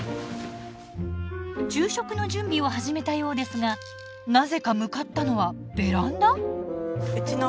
昼食の準備を始めたようですがなぜか向かったのはベランダ？